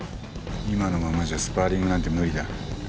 今のままじゃスパーリングなんて無理だ。